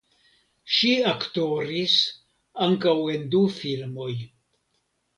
Ŝi aktoris ankaŭ en du filmoj.